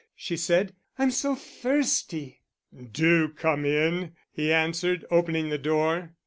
she said, "I'm so thirsty." "Do come in," he answered, opening the door.